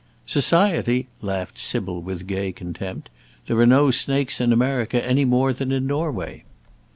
"Society!" laughed Sybil with gay contempt. "There are no snakes in America, any more than in Norway."